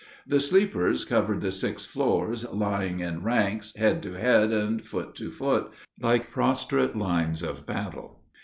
The sleepers covered the six floors, lying in ranks, head to head and foot to foot, like prostrate lines of battle.